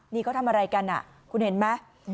นี่เขาทำอะไรกันอ่ะคุณเห็นมั้ย